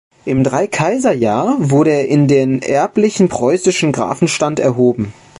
Im Dreikaiserjahr wurde er in den erblichen preußischen Grafenstand erhoben.